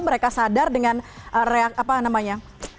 mereka sadar dengan reak apa namanya